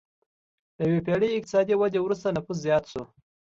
له یوې پېړۍ اقتصادي ودې وروسته نفوس زیات شو.